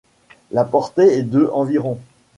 La portée est de environ.